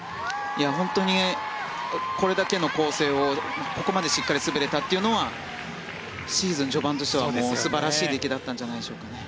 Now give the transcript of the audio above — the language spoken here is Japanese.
本当にこれだけの構成をここまでしっかり滑れたというのはシーズン序盤としては素晴らしい出来だったんじゃないでしょうかね。